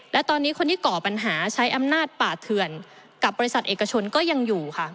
และตอนนี้คนที่ก่อปัญหาใช้อำนาจป่าเถื่อนกับบริษัทเอกชนก็ยังอยู่ค่ะ